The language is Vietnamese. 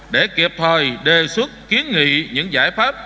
để kịp thời đề xuất kiến nghị những giải pháp